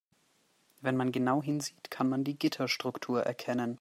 Wenn man genau hinsieht, kann man die Gitterstruktur erkennen.